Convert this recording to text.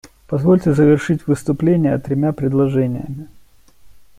Позвольте завершить выступление тремя предложениями.